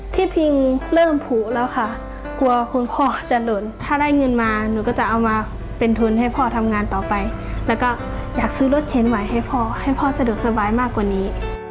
พิงเริ่มผูแล้วค่ะกลัวคุณพ่อจะหล่นถ้าได้เงินมาหนูก็จะเอามาเป็นทุนให้พ่อทำงานต่อไปแล้วก็อยากซื้อรถเข็นไหวให้พ่อให้พ่อสะดวกสบายมากกว่านี้